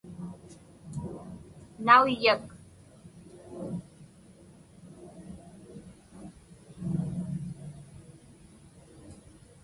nauyyak